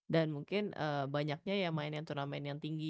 dan mungkin banyaknya ya main turnamen yang tinggi